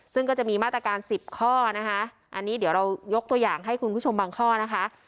ซึ่งก็จะมีมาตรการ๑๐ข้อนะคะอันนี้เดี๋ยวเรายกตัวอย่างให้คุณผู้ชมบางข้อนะคะ